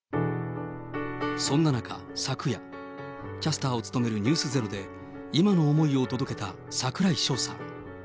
そんな中、昨夜、キャスターを務めるｎｅｗｓｚｅｒｏで、今の思いを届けた櫻井翔さん。